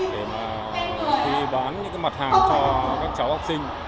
để mà khi đón những mặt hàng cho các cháu học sinh